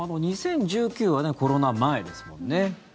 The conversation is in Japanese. ２０１９はコロナ前ですもんね。